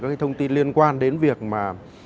các thông tin liên quan đến việc mà